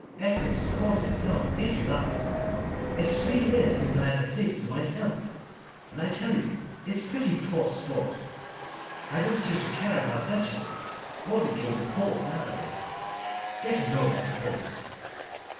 Essex Court is dull, if you like! It's three years since I had the place to myself, and I tell you it's pretty poor sport. I don't seem to care about duchesses or the gilded halls nowadays. Getting old, I suppose.